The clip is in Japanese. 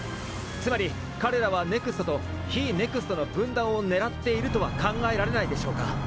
つまり彼らはＮＥＸＴと非ＮＥＸＴの分断を狙っているとは考えられないでしょうか？